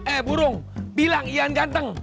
eh burung bilang ian ganteng